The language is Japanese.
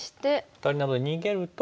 アタリなので逃げると。